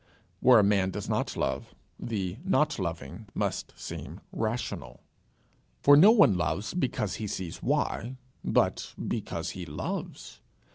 Where a man does not love, the not loving must seem rational. For no one loves because he sees why, but because he loves.